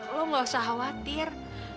lo gak usah khawatir